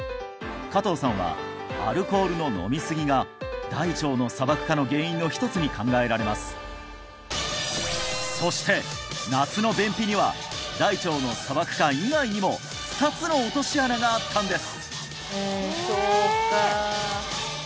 加藤さんはアルコールの飲みすぎが大腸の砂漠化の原因の一つに考えられますそして夏の便秘には大腸の砂漠化以外にも２つの落とし穴があったんです！